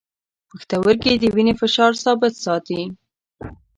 پښتورګي د وینې فشار ثابت ساتي.